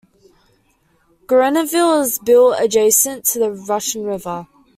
Guerneville is built adjacent to the Russian River.